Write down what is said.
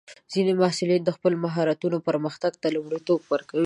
ځینې محصلین د خپلو مهارتونو پرمختګ ته لومړیتوب ورکوي.